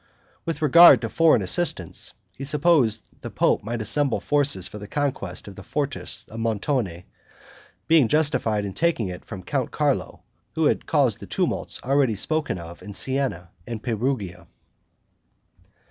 With regard to foreign assistance, he supposed the pope might assemble forces for the conquest of the fortress of Montone, being justified in taking it from Count Carlo, who had caused the tumults already spoken of in Sienna and Perugia.